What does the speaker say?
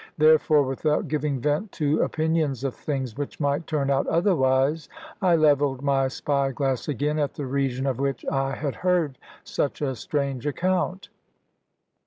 Therefore, without giving vent to opinions of things which might turn out otherwise, I levelled my spy glass again at the region of which I had heard such a strange account.